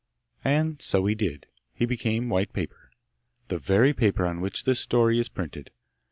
And so he did! he became white paper, the very paper on which this story is printed.